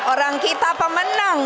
orang kita pemenang